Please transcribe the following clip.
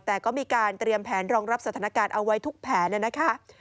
แต่ก็มีการเตรียมแผนรองรับสถานการณ์เอาไว้ทุกแผนนะคะ